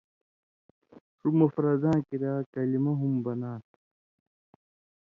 ݜُو مفرداں کریا کلمہ ہُم بناں تھہ